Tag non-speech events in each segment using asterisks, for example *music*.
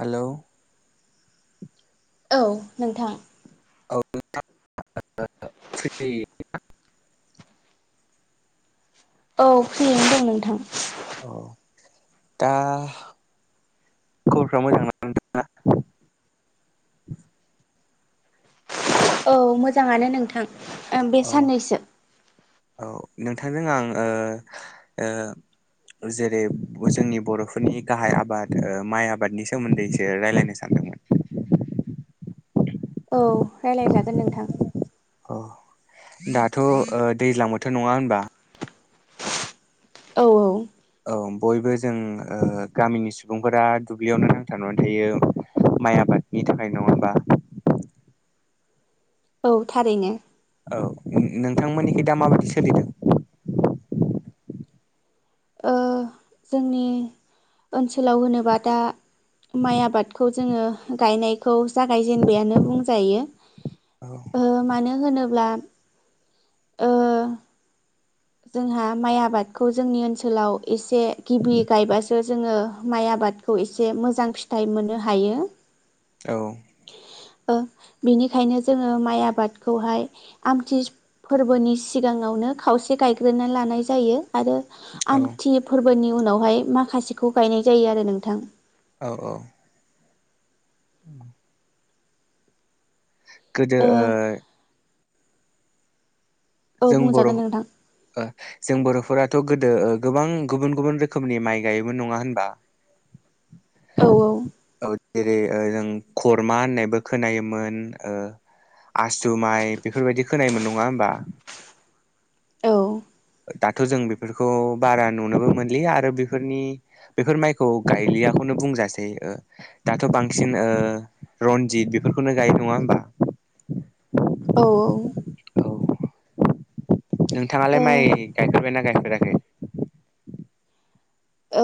हेल' औ नोंथां *inaudible* औ फ्रियैनो दं नोंथां अ दा खबरफ्रा मोजां ना नोंथांना? *unintelligible* औ मोजाङानो नोंथां ओं बे औ साननैसो औ नोंथांजों ओ ओ जेरै जोंनि बर'फोरनि गाहाय आबाद ओ माइ आबादनि सोमोन्दैसो रायलायनो सान *unintelligible* *inaudible* औ राय्लायजागोन नोंथां। अ दाथ' ओ दैज्लां बोथोर नङा होनबा। औ औ ओंम बयबो जों ओ गामिनि सुबुंफोरा दुब्लियावनो नांथाबनानै थायो। माइ आबादनि थाखाय नङा होमबा औ थारैनो औ नोंथांमोननिख दा माबायदि सोलिदों? ओ जोंनि ओनसोलाव होनोबा दा माइ आबादखौ जोंङो गायनायखौ जागायजेनबायानो बुंजायो। औ ओ मानो होनोब्ला ओ जोंहा माइ आबादखौ जोंनि ओनसोलाव एसे गिबि गायबासो जोंङो माइ आ बादखौ एसे मोजां फिथाइ मोननो हायो औ ओ बिनिखायनो जोंङो माइ आबादखौहाय आमथि फोरबोनि सिगां सिगांआवनो खावसे गायग्रोना लानाय जायो आरो औ आमथि फोर फोरबोनि उनावहाय माखासेखौ गायनाय जायो आरो नोंथां। औ औ *inaudible* गोदो ओ औ जों बर' बुंजागोन नोंथां ओ जों बर' फोराथ' गोदो ओ गोबां गुबुन गुबुन रोखोमनि माइ गायोमोन नङा होनबा औ औ *unintelligible* ओ जों खरमा होननायबो खोनायोमोन ओक्ष आसुमाइ बेफोरबायदि खोनायोम नङा होमबा औ दाथ' जों बेफोरखौ बारा नुनोबो मोनलिया आरो बेफोरनि बेफोर माइखौ गायलिया खौनो बुंजासै ओ दाथ' बांसिन ओ रनजित बेफोरखौनो गायो नङा होमबा? *inaudible* औ औ। औ नोंथाङालाय ओ माइ गायफेरबायना गायफेराखै?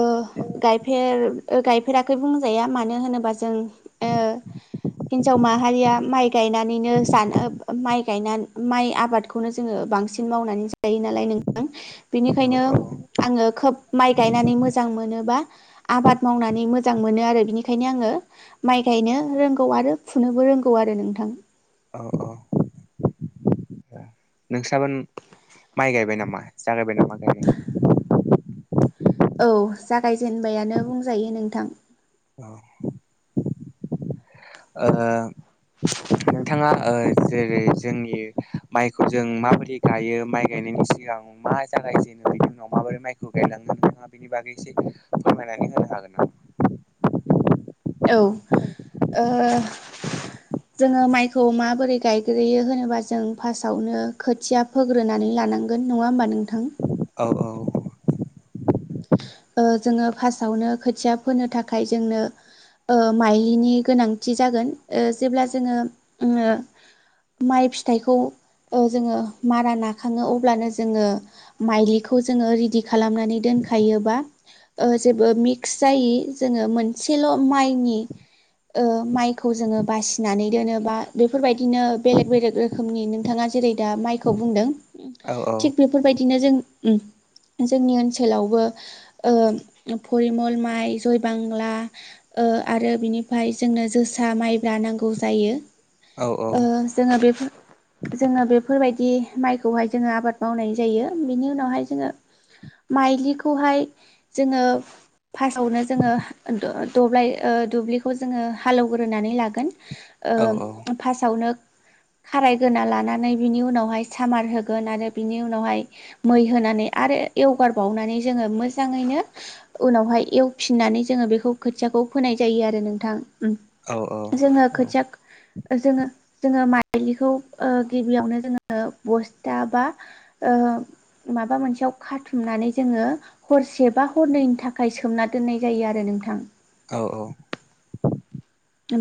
ओ गायफेर गायफेराखै बुंजाया मानो होनोबा जों हिन्जाव माहारिया माइ गायनानैनो जानो माइ गायनानै माइ आबादखौनो जोंङो बांसिन मावनानै जायो नालाय नोंथां औ बेनिखायनो आंङो खोब माइ गाय मोजां मोना बा आबाद मावनानै मोजां मोनो आरो बिनिखायनो आंङो माइ गायनो रों गौ आरो फुनोबो रोंगौ आरो नोंथां। औ औ। नोंस्राबो माइ गायबाय नामा जागायबाय नामा गायनाया? औ जागायजेनबायानो बुंजायो नोंथां। *inaudible* ओं ओ जेरै जोंनि माइखौ जों माबोरै गायो माइ गायनायनि सिगां मा जागायजेनो बिनि उनाव माबोरै माइखौ गायलाङो नोंथाङा बेनि बागै एसे फोरमायनानै होनो हागोन नामा? *inaudible* औ ओ जोंङो माइखौ माबोरै गायग्रोयो होनोबा जों फार्स्टआवनो खोथिया फोग्रोनानै लानांगोन नङा होमबा नोंथां औ औ। ओ जोंङो फार्स्टआवनो खोथिया फोनो थाखाय जोंनो ओ माइनि गोनांथि जागोन जेब्ला जोंङो माइ फिथाइखौ ओ जोंङो मारा नााखङो अब्लानो जोंङो माइज्लिखौ जोंङो रेदि खालामनानै दोनखायो बा ओ जेबो मिक्स जायि जोंङो मोनसेल' माइनि ओ माइखौ जोंङो बासिनानै दोनो बा बेफोरबाय दिनो बेलेग बेलेग रोखोमनि नोंथाङा जेरै दा माइखौ बुंदों। औ औ थिग बेफोरबायदिनो जों जोंनि ओनसोलावबो ओ परिमल माइ जय बांला आरो बिनिफ्राय जोंनो जोसा माइब्रा नांगौ जायो औ ओ जोङो बेफोर जोङो बेफोरबायदि माइखौहाय जोङो आबाद मावनाय जायो बिनि उनावहाय जोङो माइज्लिखौहाय जोङो फार्स्टआवनो जोङो दब्लाय दुब्लिखौ जोङो हाल एवग्रोनानै लागोन। औ ओ फार्स्टावनो *inaudible* खारायगोना लानानै बिनि उनावहाय सामार होगोन आरो बिनि उनावहाय मै होनानै आरो एवगार बावनानै जोङो मो जाङैनो उनावहाय एवफिननानै जोङो बेखौ खोथियाखौ फोनाय जायो आरो नोंथां। औ जोङो औ खोथिया जोङो जोङो माइज्लिखौ ओ गिबियावनो जोङो बस्था बा ओ माबा मोनसेयाव खाथुमनानै जोङो हरसेबा हरनैनि थाखाय सोमना दोननाय जायो आरो नोंथां। औ औ।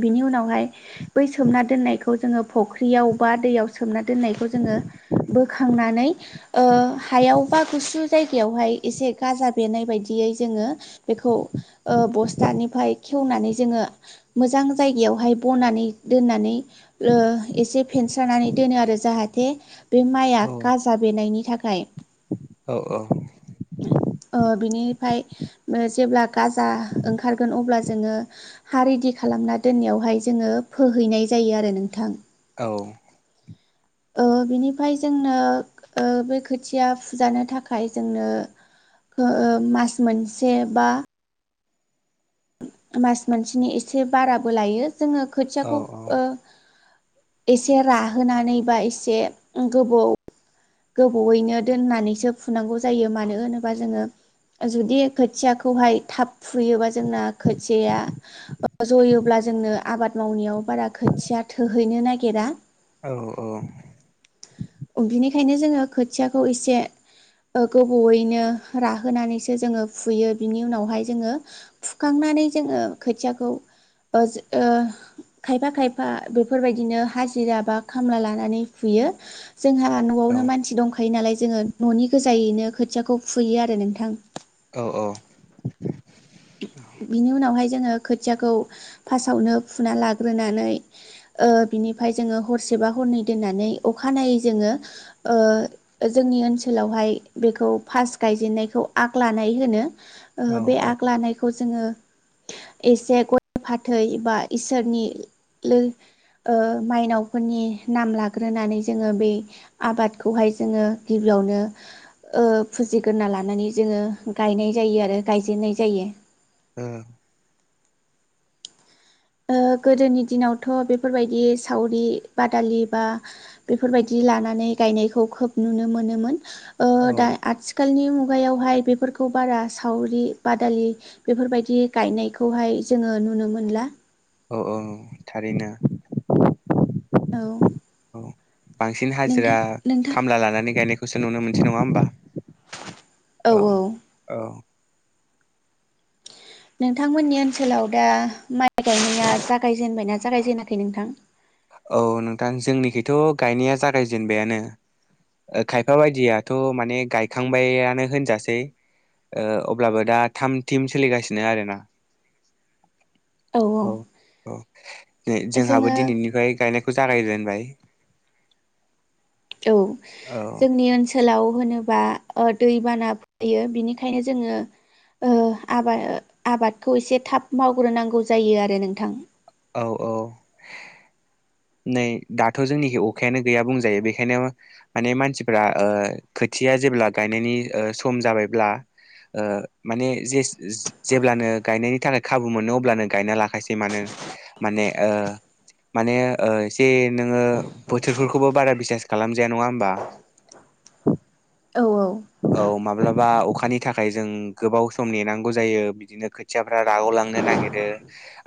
बिनि उनावहाय बै सोमना दोननायखौ जोङो फुख्रियाव बा दैयाव सोमना दोननायखौ जोङो बोखांनानै ओ हायाव बा गुसु जायगायावहाय एसे गाजा बेरनो बायदियै जोङो बेखौ बस्थानिफ्राय खेवनानै जोङो मोजां जायगायावहाय बनानै दोननानै ओ एसे फेनस्रानानै दोनो आरो जाहाथे बे माइआ औ गाजा बेनायनि थाखाय औ *inaudible* अ बिनि फ्राय जेब्ला गाजा ओंखारगोन अब्ला जोङो हा रेदि खालामना दोननायावहाय जोङो फोहैनाय जायो आरो नोंथां औ ओ *inaudible* बिनिफ्राय जोंनो ओ बे खोथिया फुजानो थाखाय जोंनो ओ मास मोनसे बा मास मोनसेनि एसे बाराबो लायो जोङो औ खोथियाखौ ओ एसे राहोनानै बा एसे गोबाव गोबावयैनो दोननानैसो फुनांगौ जायो मानो होनोबा जोङो जुदि खोथियाखौहाय थाब फुयोबा जोंना खोथियया जयोब्ला जोंनो आबाद मावनायाव बारा खोथिया थोहैनो नागिरा औ औ बिनिखायनो जोङो खोथियाखौ एसे गोबावयैनो राहोनानैसो जोङो फुयो बिनि उनावहाय जोङो फुखांनानै नानै जोङो खोथियाखौ ओ ओ खायफा खायफा बेफोरबायदिनो हाजिरा बा खामला लानानै फुयो यो जोंहा न'आवनो मानसि दंखायो नालाय जोङो न'नि गोजायैनो खोथियाखौ फुयो आरो नोंथां औ औ बिनि उनावहाय जोङो खोथियाखौ फार्स्टआवनो फुना लाग्रोनानै ओ बेनिफ्राइ जोङो हरसे सेबा हरनै दोननानै अखानायै जोङो ओ जोंनि ओनसोलावहाय बेखौ गायेनायखौ आग लानाय होनो बे आग लानायखौ जोङो एसे गय फाथै बा इसोरनि लो ओ मायनावफोरनि नाम लाग्रोनानै जोङो बे आबादखौहाय जोङो गिबि नो ओ फुजिग्रोना लानानै जोङो गायनाय जायो आरो गायजेनाय जायो ओ ओ गोदोनि दिनावथ' बेफोरबायदि सावरि बादालि बा बेफोरबायदि लानानै गायनायखौ खोब नुनो मोनोमोन ओ दा आथिखालनि मु गायावहाय बेफोरखौ बारा सावरि बादालि बेफोरबायदि गायनायखौहाय जोङो नुनो मोनला औ औ थारैनो औ औ बांसिन हाजिरा नोंथां नोंथां खामला लानानै गायनायखौसो नुनो मोनसै नङा होमबा औ औ औ औ नोंथांमोननि ओनसोलाव दा माइ गायनाया जागायजेनबायना जागायजेनाखै नोंथां? औ नोंथां जोंनिखैथ' गायनाया जागायजेनबायानो ओ खायफा बायदियाथ' माने गायखांबायानो होनजासै ओ अब्लाबो दा थाम थिम सोलिगासिनो आरोना औ औ नो जोंहाबो जोङो दिनैनि फुनायखौ जागाय जेनबाय औ जोंनि ओनसोलाव होनोबा अ दैबाना ओ फैयो बिनिखायनो जोङो ओ आबाद आबादखौ एसे थाब मावग्रोनांगौ जायो आरो नोंथां औ औ नै दाथ' जोंनिखि अखायानो गैया बुंजायो बेखायनो माने मानसिफ्रा ओ खोथिया जेब्ला गायनायनि ओ सम जाबायब्ला ओ माने जेस जे-जेब्लानो गायनायनि थाखाय खाबु मोनो अब्लानो गायना लाखासै मानो माने ओ माने ओ एसे नोङो बोथोरफोरखौबो बारा बिसास खालामजाया नङा होमबा *inaudible* औ औ माब्लाबा अखानि थाखाय जों गोबाव सम नेनांगौ जायो बिदिनो खोथियाफ्रा राग लांनो नागिरो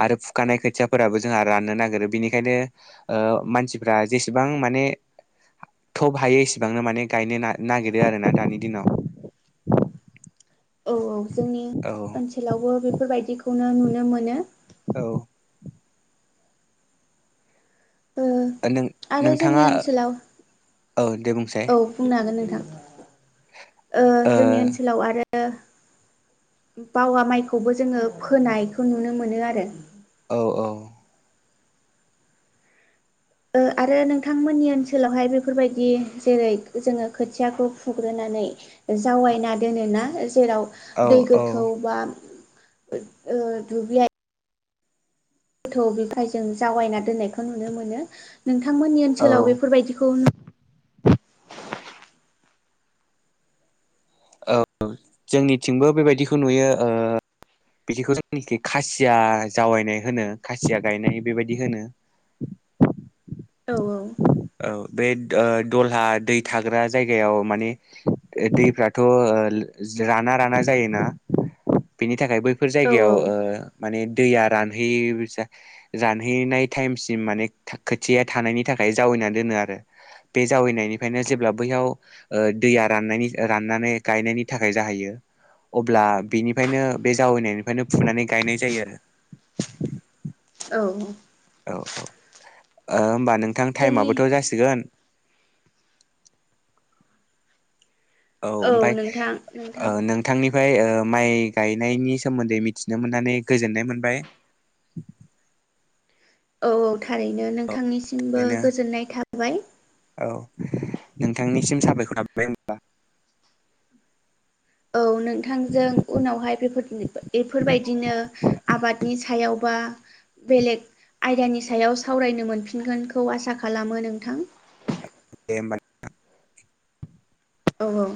आरो फुखानाय खोथियाफोराबो जों राननो नागिरो बिनिखायनो ओ मान सिफ्रा जेसेबां माने थब हायो एसेबांनो माने गायनो ना-नागिरो आर ना दानि दिनाव औ औ जोंनि औ ओनसोलावबो बेफोरबायदिखौनो नुनो मोनो औ ओ नों आरो जोंनि नोंथाङा ओनसोलाव औ दे बुंसाय औ बुंनो हागोन नोंथां ओ जोंनि ओनसोलाव आरो ओ बावा माइखौबो जोङो फोनायखौ नुनो मोनो आरो ओ औ औ ओ आरो नोंथांमोननि ओनसोलावहाय बेफोरबायदि जेरै जोङो खोथियाखौ फुग्रोना नै जावायना दोनोना जेराव औ दै औ गोथौ बा ओ दुब्लि थौ बिफायजों जावायना दोननायखौ नुनो मोनो नोंथांमोननि औ ओनसोलाव बेफोरबायदिखौ औ जोंनिथिंबो बेबायदिखौ नुयो ओ बिदिखौ जोंनिखि खासिया जावायनाय होनो खासिया गायनाय बेबायदि होनो औ औ बे ओ दलहा दै थाग्रा जायगायाव माने दैफ्राथ' ओ लों जों राना राना जायोना बेनि थाखाय बैफोर औ जायगायाव ओ औ माने दैया रानहै रानहैनाय टाइमसिम माने खोथिया थानायनि था खाय जावैना दोनो आरो बे जावैनायनिफ्रायनो जेब्ला बैयाव दैया रानना ने गायनायनि थाखाय जाहैयो अब्ला बिनिफायनो बे जावैनायनिफ्रायनो फुनानै गायनाय जायो आरो औ औ औ होमबा ओ नोंथां जोंनि टाइमाबोथ' जासिगोन औ ओमफ्राय नोंथां नोंथां ओ नोंथांनि ओमफ्राय माइ गायनायनि सोमोन्दै मिथिनो मोननानै गोजोननाय मोनबाय। *inaudible* औ औ थारैनो नोंथांनिसिमबो ओरैनो गोजोननाय थाबाय। औ नोंथांनिसिम साबायखर थाबवबाय होनबा। औ नोंथांजों उनावहाय बेफोर बेफोरबायदिनो आबादनि सायाव बा बेलेग आयदानि सायाव सावरायनो मोनफिनगोनखौ आसा खालामो नोंथां। दे होनबा नोंथां। औ औ